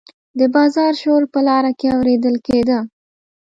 د بازار شور په لاره کې اوریدل کیده.